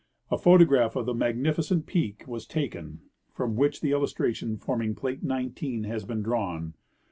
A photograph of the magnificent peak was taken, from which the illustration forming plate 19 has been drawn.